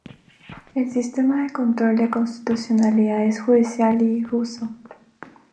El sistema de control de constitucionalidad es judicial y difuso.